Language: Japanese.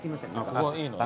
ここはいいのね。